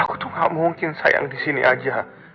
aku tuh gak mungkin sayang disini aja